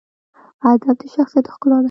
ادب د شخصیت ښکلا ده.